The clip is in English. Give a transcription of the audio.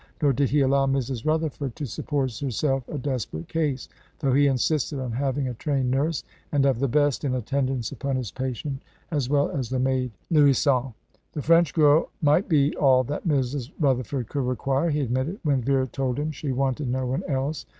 Nor did he allow Mrs. Rutherford to suppose herself a desperate case, though he insisted on having a trained nurse, and of the best, in attendance upon his patient, as well as the maid Louison. The French girl might be all that Mrs. Rutherford could require, he admitted, when Vera told him she wanted no one else.